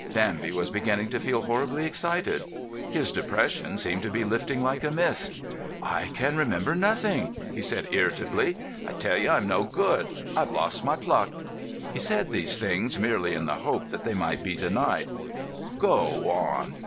Danby was beginning to feel horribly excited. His depression seemed to be lifting like a mist. "I can remember nothing," he said irritably. "I tell you I'm no good. I've lost my pluck!" He said these things merely in the hope that they might be denied. "Go on.